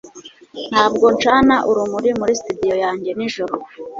Ntabwo ncana urumuri muri studio yanjye nijoro